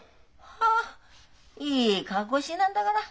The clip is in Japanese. ハッいい格好しいなんだから。